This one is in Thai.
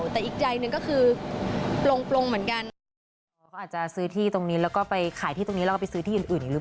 แต่อีกใจนึงก็คือ